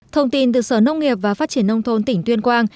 thông tin từ sở nông nghiệp và phát triển nông thôn tỉnh tuyên quang